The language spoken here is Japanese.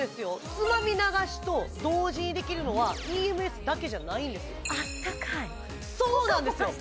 つまみ流しと同時にできるのはＥＭＳだけじゃないんですそうなんですよ！